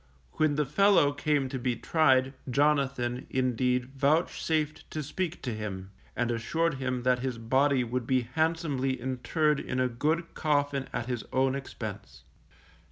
When the fellow came to be tried Jonathan, indeed, vouchsafed to speak to him, and assured him that his body should be handsomely interred in a good coffin at his own expense.